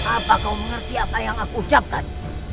apa kau mengerti apa yang aku ucapkan